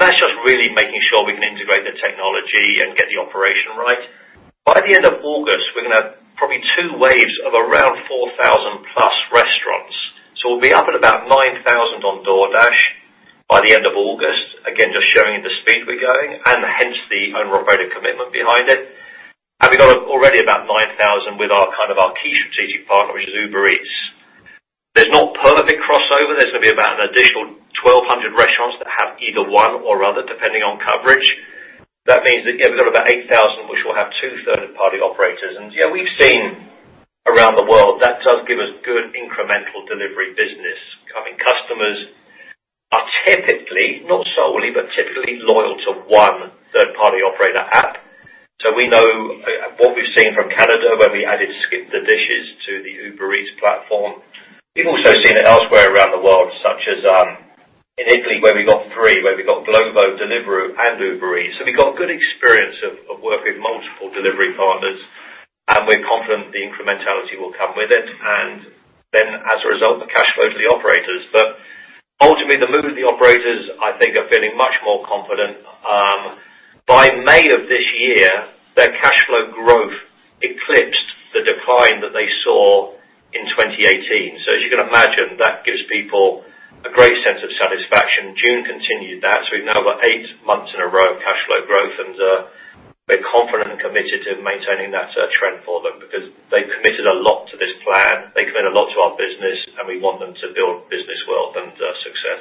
That's just really making sure we can integrate the technology and get the operation right. By the end of August, we're going to have probably two waves of around 4,000-plus restaurants. We'll be up at about 9,000 on DoorDash by the end of August, again, just showing the speed we're going, and hence the owner-operator commitment behind it. We've got already about 9,000 with our key strategic partner, which is Uber Eats. There's no perfect crossover. There's going to be about an additional 1,200 restaurants that have either one or other, depending on coverage. That means that, yeah, we've got about 8,000, which will have two third-party operators. Yeah, we've seen around the world, that does give us good incremental delivery business. Customers are typically, not solely, but typically loyal to one third-party operator app. We know what we've seen from Canada, where we added SkipTheDishes to the Uber Eats platform. We've also seen it elsewhere around the world, such as in Italy, where we got three, where we got Glovo, Deliveroo, and Uber Eats. We've got good experience of working with multiple delivery partners, and we're confident the incrementality will come with it, and then as a result, the cash flow to the operators. Ultimately, the mood of the operators, I think, are feeling much more confident. By May of this year, their cash flow growth eclipsed the decline that they saw in 2018. As you can imagine, that gives people a great sense of satisfaction. June continued that. We've now got eight months in a row of cash flow growth. We're confident and committed to maintaining that trend for them because they've committed a lot to this plan. They commit a lot to our business, and we want them to build business wealth and success.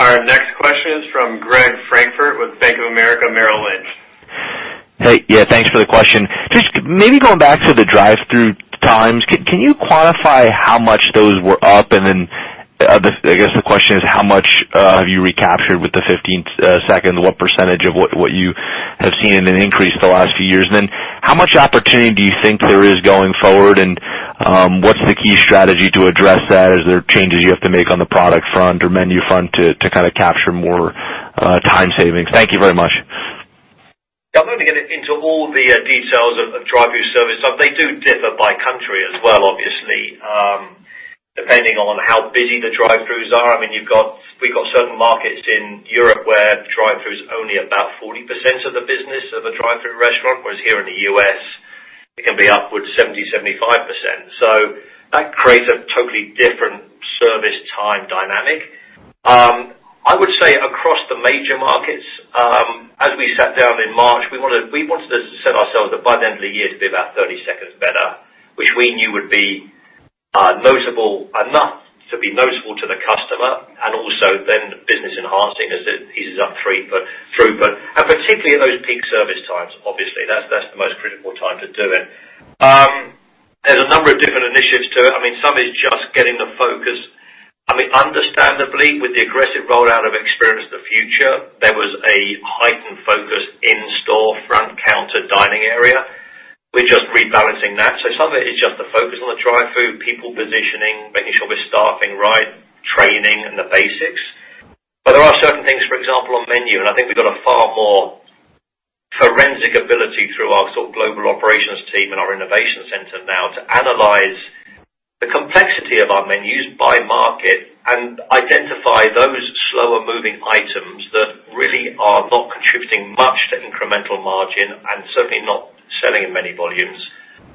Our next question is from Greg Francfort with Bank of America Merrill Lynch.
Hey. Yeah, thanks for the question. Just maybe going back to the drive-thru times, can you quantify how much those were up? I guess the question is, how much have you recaptured with the 15 seconds? What percentage of what you have seen in an increase the last few years? How much opportunity do you think there is going forward, and what's the key strategy to address that? Is there changes you have to make on the product front or menu front to capture more time savings? Thank you very much.
I'm not going to get into all the details of drive-thru service. They do differ by country as well, obviously, depending on how busy the drive-thrus are. We've got certain markets in Europe where drive-thru is only about 40% of the business of a drive-thru restaurant, whereas here in the U.S., it can be upwards of 70%, 75%. That creates a totally different service time dynamic. I would say across the major markets, as we sat down in March, we wanted to set ourselves that by the end of the year to be about 30 seconds better, which we knew would be notable enough to be notable to the customer, and also then business-enhancing as it eases up throughput, particularly at those peak service times, obviously. That's the most critical time to do it. There's a number of different initiatives to it. Some is just getting the focus. Understandably, with the aggressive rollout of Experience of the Future, there was a heightened focus in store front counter dining area. We're just rebalancing that. Some of it is just the focus on the drive-thru, people positioning, making sure we're staffing right, training, and the basics. There are certain things, for example, on menu, I think we've got a far more forensic ability through our global operations team and our innovation center now to analyze the complexity of our menus by market and identify those slower-moving items that really are not contributing much to incremental margin and certainly not selling in many volumes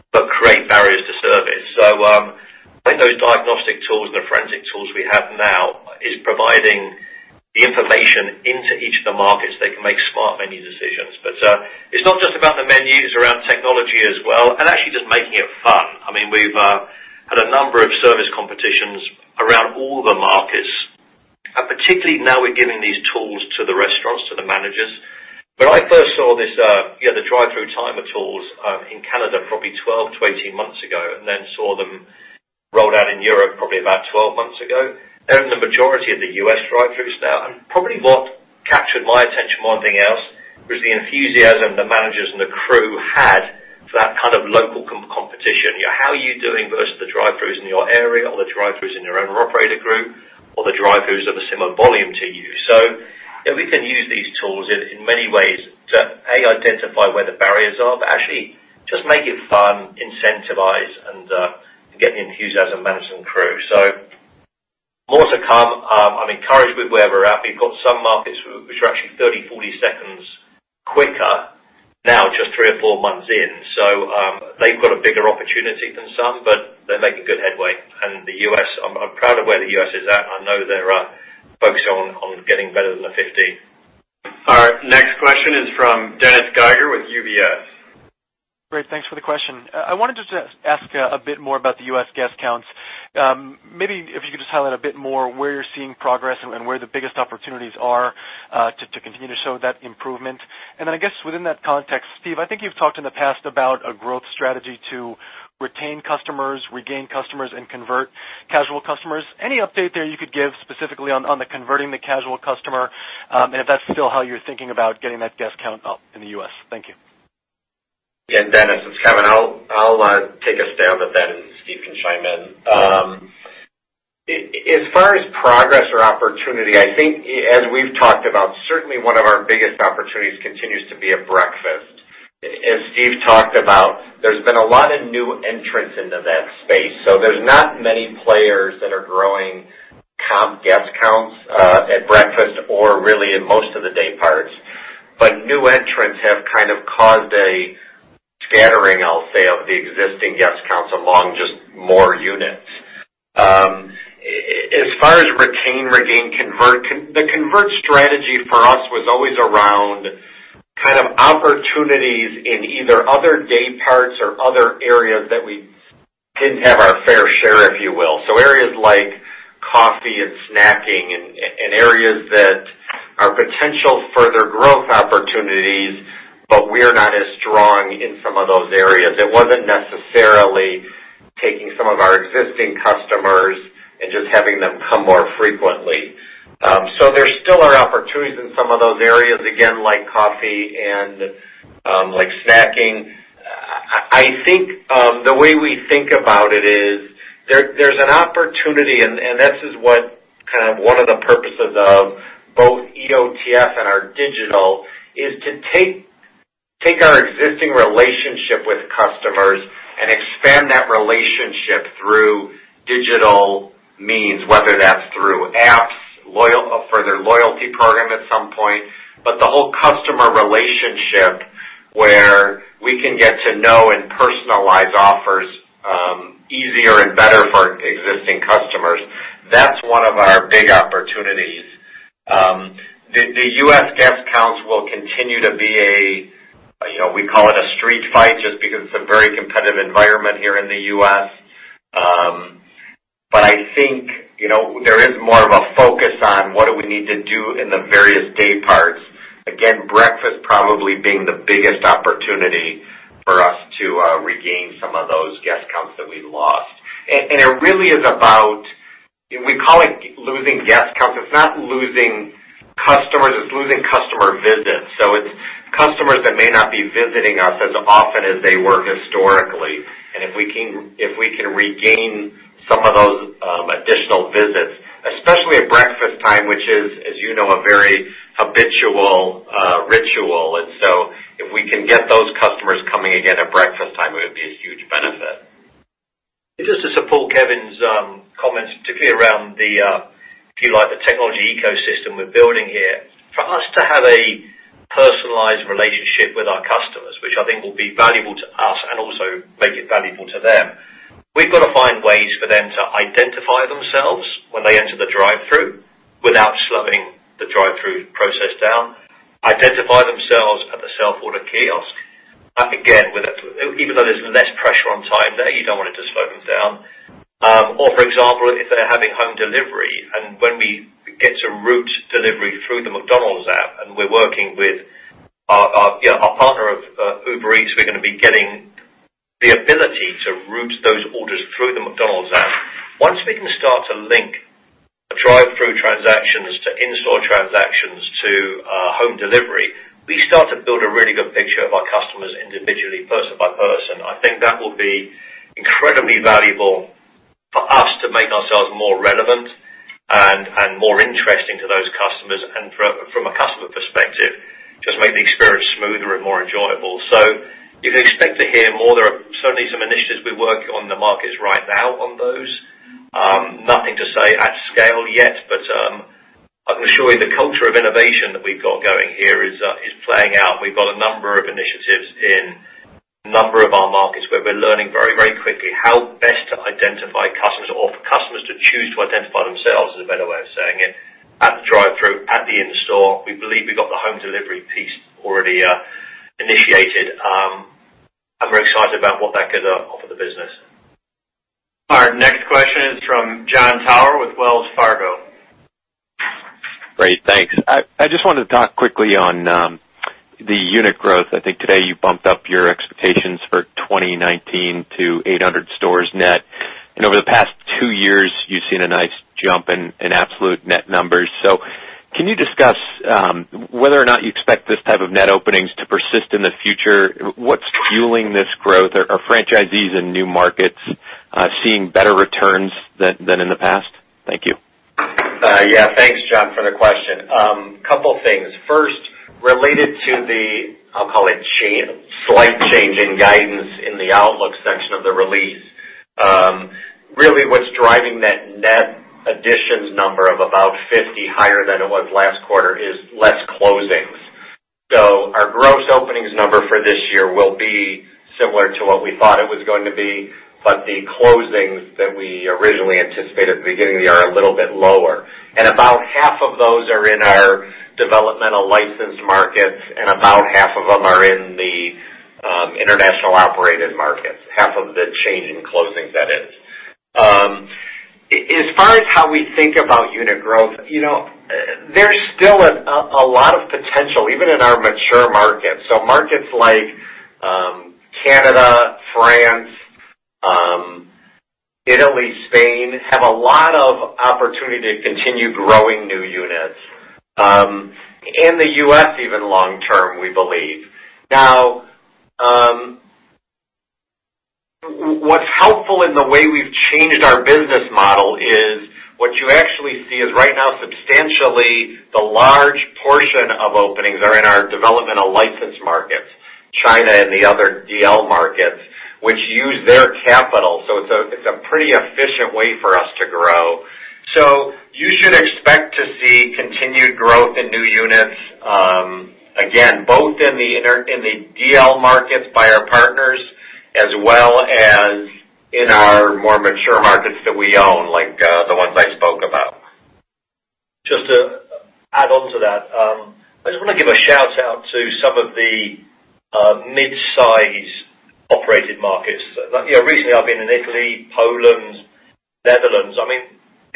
but create barriers to service. I think those diagnostic tools and the forensic tools we have now is providing the information into each of the markets. They can make smart menu decisions. It's not just about the menus. It's around technology as well, and actually just making it fun. We've had a number of service competitions around all the markets, and particularly now we're giving these tools to the restaurants, to the managers. When I first saw this, the drive-thru timer tools, in Canada probably 12 to 18 months ago, and then saw them rolled out in Europe probably about 12 months ago. They're in the majority of the U.S. drive-thrus now, and probably what captured my attention more than anything else was the enthusiasm the managers and the crew had for that kind of local competition. How are you doing versus the drive-thrus in your area or the drive-thrus in your owner operator group or the drive-thrus of a similar volume to you? We can use these tools in many ways to, A, identify where the barriers are, but actually just make it fun, incentivize, and get the enthusiasm of the management crew. More to come. I'm encouraged with where we're at. We've got some markets which are actually 30, 40 seconds quicker now, just three or four months in. They've got a bigger opportunity than some, but they're making good headway. The U.S., I'm proud of where the U.S. is at. I know they're focused on getting better than the 15.
Our next question is from Dennis Geiger with UBS.
Great. Thanks for the question. I wanted to ask a bit more about the U.S. guest counts. Maybe if you could just highlight a bit more where you're seeing progress and where the biggest opportunities are to continue to show that improvement. I guess within that context, Steve, I think you've talked in the past about a growth strategy to retain customers, regain customers, and convert casual customers. Any update there you could give specifically on the converting the casual customer, and if that's still how you're thinking about getting that guest count up in the U.S.? Thank you.
Dennis, it's Kevin. I'll take a stab at that, and Steve can chime in. As far as progress or opportunity, I think as we've talked about, certainly one of our biggest opportunities continues to be at breakfast. As Steve talked about, there's been a lot of new entrants into that space. There's not many players that are growing comp guest counts at breakfast or really in most of the dayparts. New entrants have kind of caused a scattering, I'll say, of the existing guest counts along just more units. As far as retain, regain, convert, the convert strategy for us was always around kind of opportunities in either other dayparts or other areas that we didn't have our fair share, if you will. Areas like coffee and snacking and areas that are potential further growth opportunities, but we're not as strong in some of those areas. It wasn't necessarily taking some of our existing customers and just having them come more frequently. There still are opportunities in some of those areas, again, like coffee and like snacking. I think the way we think about it is there's an opportunity, and this is what kind of one of the purposes of both EOTF and our digital is to take our existing relationship with customers and expand that relationship through digital means, whether that's through apps, a further loyalty program at some point. The whole customer relationship where we can get to know and personalize offers easier and better for existing customers. That's one of our big opportunities. The U.S. guest counts will continue to be a, we call it a street fight just because it's a very competitive environment here in the U.S. I think, there is more of a focus on what do we need to do in the various day parts. Again, breakfast probably being the biggest opportunity for us to regain some of those guest counts that we lost. It really is about, we call it losing guest counts. It's not losing customers, it's losing customer visits. It's customers that may not be visiting us as often as they were historically. If we can regain some of those additional visits, especially at breakfast time, which is, as you know, a very habitual ritual. If we can get those customers coming again at breakfast time, it would be a huge benefit.
Just to support Kevin's comments, particularly around the, if you like, the technology ecosystem we're building here. For us to have a personalized relationship with our customers, which I think will be valuable to us and also make it valuable to them, we've got to find ways for them to identify themselves when they enter the drive-through without slowing the drive-through process down. Identify themselves at the self-order kiosk. Again, even though there's less pressure on time there, you don't want to slow them down. For example, if they're having home delivery, and when we get to route delivery through the McDonald's app, and we're working with our partner of Uber Eats, we're going to be getting the ability to route those orders through the McDonald's app. Once we can start to link drive-through transactions to in-store transactions to home delivery, we start to build a really good picture of our customers individually, person by person. I think that will be incredibly valuable for us to make ourselves more relevant and more interesting to those customers and from a customer perspective, just make the experience smoother and more enjoyable. You can expect to hear more. There are certainly some initiatives we work on the markets right now on those. Nothing to say at scale yet, but I can assure you the culture of innovation that we've got going here is playing out. We've got a number of initiatives in a number of our markets where we're learning very quickly how best to identify customers or for customers to choose to identify themselves, is a better way of saying it, at the drive-through, at the in-store. We believe we got the home delivery piece already initiated. I'm very excited about what that could offer the business.
Our next question is from Jon Tower with Wells Fargo.
Great, thanks. I just wanted to talk quickly on the unit growth. I think today you bumped up your expectations for 2019 to 800 stores net. Over the past two years, you've seen a nice jump in absolute net numbers. Can you discuss whether or not you expect this type of net openings to persist in the future? What's fueling this growth? Are franchisees in new markets seeing better returns than in the past? Thank you.
Yeah. Thanks, Jon, for the question. Couple things. First, related to the, I'll call it slight change in guidance in the outlook section of the release. Really what's driving that net additions number of about 50 higher than it was last quarter is less closings. Our gross openings number for this year will be similar to what we thought it was going to be, but the closings that we originally anticipated at the beginning of the year are a little bit lower. About half of those are in our developmental licensed markets, and about half of them are in the International Operated Markets, half of the change in closings that is. As far as how we think about unit growth, there's still a lot of potential, even in our mature markets. Markets like Canada, France, Italy, Spain, have a lot of opportunity to continue growing new units. In the U.S. even long term, we believe. What's helpful in the way we've changed our business model is what you actually see is right now, substantially the large portion of openings are in our Developmental Licensed markets, China and the other DL markets, which use their capital. It's a pretty efficient way for us to grow. You should expect to see continued growth in new units, again, both in the DL markets by our partners as well as in our more mature markets that we own, like the ones I spoke about.
Just to add on to that. I just want to give a shout-out to some of the mid-size operated markets. Recently I've been in Italy, Poland, Netherlands.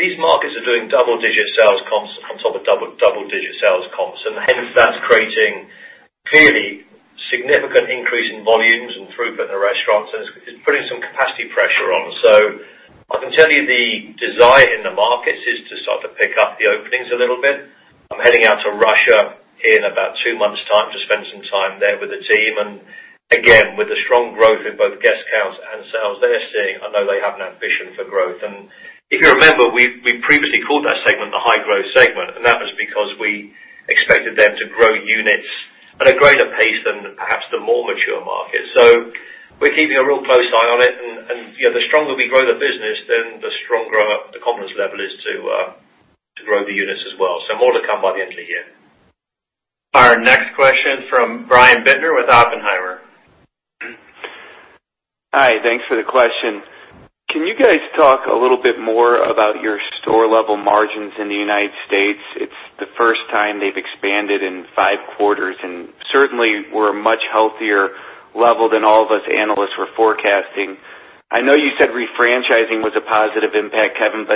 These markets are doing double-digit sales comps on top of double-digit sales comps, hence that's creating clearly significant increase in volumes and throughput in the restaurants, it's putting some capacity pressure on. I can tell you the desire in the markets is to start to pick up the openings a little bit. I'm heading out to Russia in about two months' time to spend some time there with the team. Again, with the strong growth in both guest counts and sales they're seeing, I know they have an ambition for growth. If you remember, we previously called that segment the high growth segment, and that was because we expected them to grow units at a greater pace than perhaps the more mature markets. We're keeping a real close eye on it, and the stronger we grow the business, then the stronger the confidence level is to grow the units as well. More to come by the end of the year.
Our next question from Brian Bittner with Oppenheimer.
Hi, thanks for the question. Can you guys talk a little bit more about your store-level margins in the U.S.? It's the first time they've expanded in five quarters, and certainly were a much healthier level than all of us analysts were forecasting. I know you said refranchising was a positive impact, Kevin,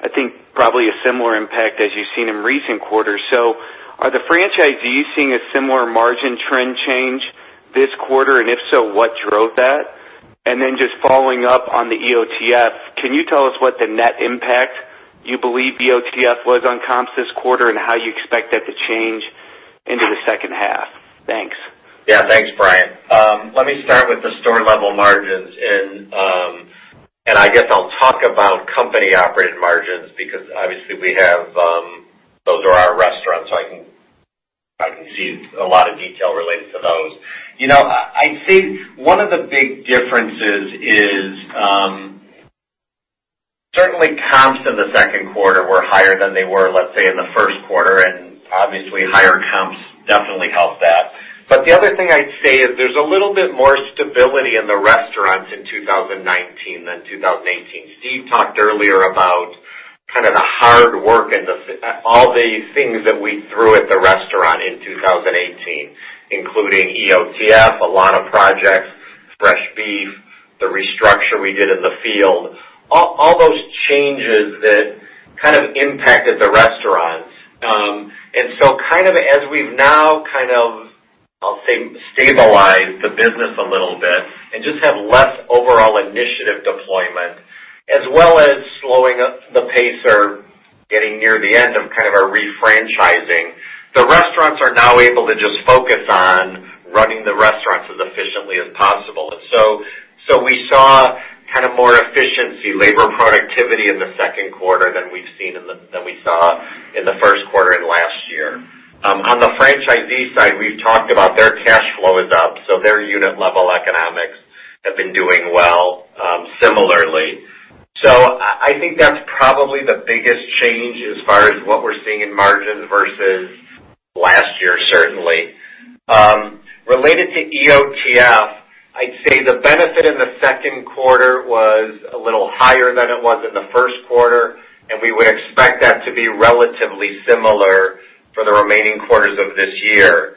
I think probably a similar impact as you've seen in recent quarters. Are the franchisees seeing a similar margin trend change this quarter? If so, what drove that? Just following up on the EOTF, can you tell us what the net impact you believe EOTF was on comps this quarter and how you expect that to change into the H2? Thanks.
Yeah. Thanks, Brian. Let me start with the store-level margins. I guess I'll talk about company-operated margins because obviously those are our restaurants, so I can see a lot of detail related to those. I'd say one of the big differences is, certainly comps in the Q2 were higher than they were, let's say, in the Q1, and obviously higher comps definitely helped that. The other thing I'd say is there's a little bit more stability in the restaurants in 2019 than 2018. Steve talked earlier about the hard work and all the things that we threw at the restaurant in 2018, including EOTF, a lot of projects, fresh beef, the restructure we did in the field. All those changes that impacted the restaurants. As we've now, I'll say, stabilized the business a little bit and just have less overall initiative deployment, as well as slowing the pace or getting near the end of our refranchising. The restaurants are now able to just focus on running the restaurants as efficiently as possible. We saw more efficiency, labor productivity in the Q2 than we saw in the Q1 and last year. On the franchisee side, we've talked about their cash flow is up, so their unit level economics have been doing well similarly. I think that's probably the biggest change as far as what we're seeing in margins versus last year, certainly. Related to EOTF, I'd say the benefit in the Q2 was a little higher than it was in the Q1. We would expect that to be relatively similar for the remaining quarters of this year.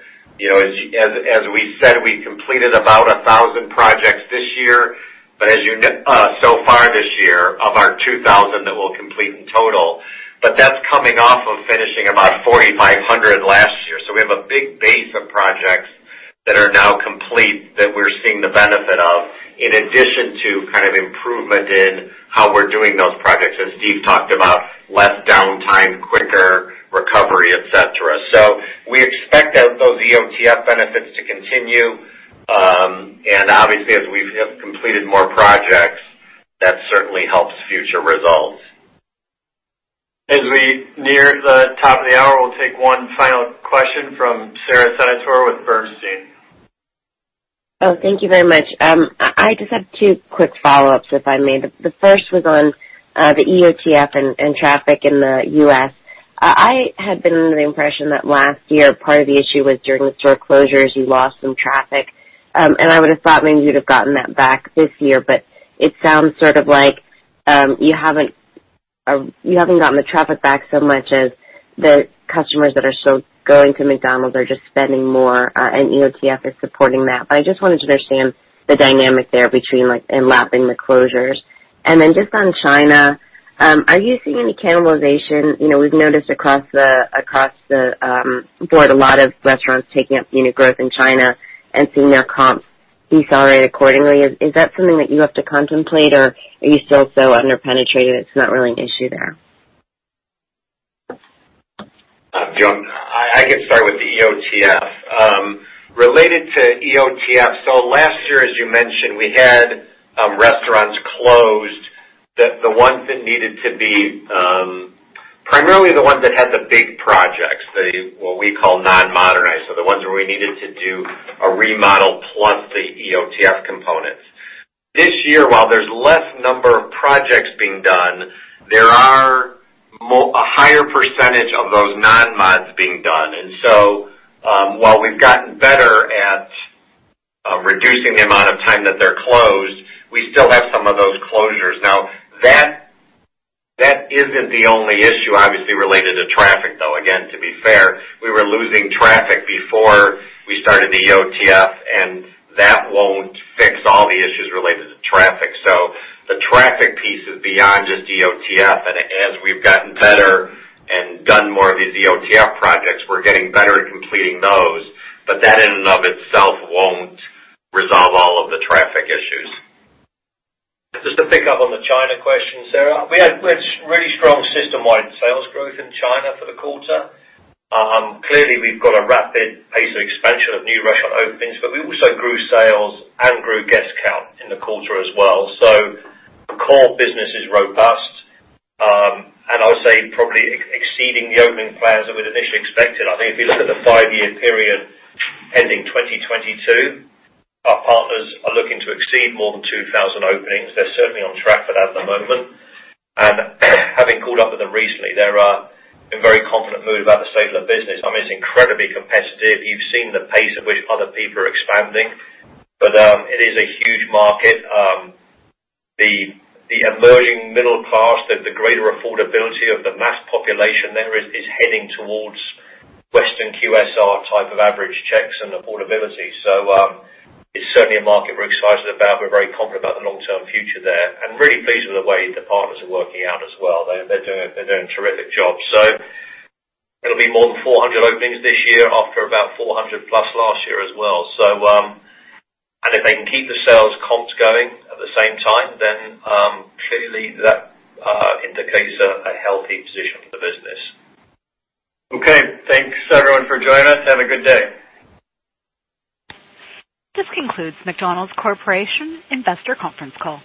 As we said, we completed about 1,000 projects so far this year of our 2,000 that we'll complete in total. That's coming off of finishing about 4,500 last year. We have a big base of projects that are now complete that we're seeing the benefit of, in addition to improvement in how we're doing those projects, as Steve talked about, less downtime, quicker recovery, et cetera. We expect those EOTF benefits to continue. Obviously as we have completed more projects, that certainly helps future results.
As we near the top of the hour, we'll take one final question from Sara Senatore with Bernstein.
Thank you very much. I just have two quick follow-ups, if I may. The first was on the EOTF and traffic in the U.S. I had been under the impression that last year, part of the issue was during the store closures, you lost some traffic. I would've thought maybe you'd have gotten that back this year, but it sounds like you haven't gotten the traffic back so much as the customers that are still going to McDonald's are just spending more, and EOTF is supporting that. I just wanted to understand the dynamic there between like unlapping the closures. Just on China, are you seeing any cannibalization? We've noticed across the board a lot of restaurants taking up unit growth in China and seeing their comps decelerate accordingly. Is that something that you have to contemplate, or are you still so under-penetrated it's not really an issue there?
I can start with the EOTF. Related to EOTF, last year, as you mentioned, we had restaurants closed, primarily the ones that had the big projects, what we call non-modernized. The ones where we needed to do a remodel plus the EOTF components. This year, while there's less number of projects being done, there are a higher percentage of those non-mods being done. While we've gotten better at reducing the amount of time that they're closed, we still have some of those closures. That isn't the only issue, obviously, related to traffic, though. To be fair, we were losing traffic before we started the EOTF, and that won't fix all the issues related to traffic. The traffic piece is beyond just EOTF, and as we've gotten better and done more of these EOTF projects, we're getting better at completing those. That in and of itself won't resolve all of the traffic issues.
Just to pick up on the China question, Sara. We had really strong system-wide sales growth in China for the quarter. Clearly, we've got a rapid pace of expansion of new restaurant openings. We also grew sales and grew guest count in the quarter as well. The core business is robust. I would say probably exceeding the opening plans that we'd initially expected. I think if you look at the five-year period ending 2022, our partners are looking to exceed more than 2,000 openings. They're certainly on track for that at the moment. Having caught up with them recently, they're in a very confident mood about the state of the business. It's incredibly competitive. You've seen the pace at which other people are expanding. It is a huge market. The emerging middle class, the greater affordability of the mass population there is heading towards Western QSR type of average checks and affordability. It's certainly a market we're excited about. We're very confident about the long-term future there. Really pleased with the way the partners are working out as well. They're doing a terrific job. It'll be more than 400 openings this year after about 400 plus last year as well. If they can keep the sales comps going at the same time, then clearly that indicates a healthy position for the business.
Okay. Thanks, everyone, for joining us. Have a good day.
This concludes McDonald's Corporation investor conference call.